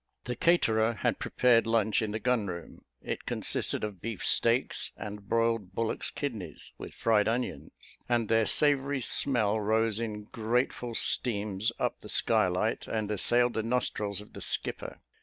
The caterer had prepared lunch in the gun room: it consisted of beef steaks and broiled bullocks' kidneys, with fried onions; and their savoury smell rose in grateful steams up the skylight, and assailed the nostrils of the skipper.